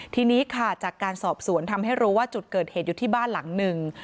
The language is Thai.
ทีนี้ค่ะจากการสอบสวนทำให้รู้ว่าจุดเกิดเหตุอยู่ที่บ้านหลังหนึ่ง